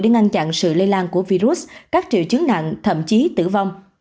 để ngăn chặn sự lây lan của virus các triệu chứng nặng thậm chí tử vong